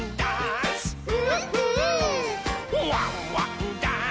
「ワンワンダンス！」